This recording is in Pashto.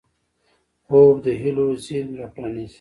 خوب د هیلو زېرمې راپرانيزي